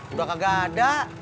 udah kagak ada